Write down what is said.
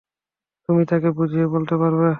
তুমি তাকে বুঝিয়ে বলতে পারবে?